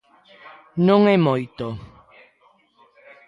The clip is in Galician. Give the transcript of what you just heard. Non é moito.